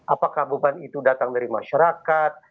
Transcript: apakah beban itu datang dari masyarakat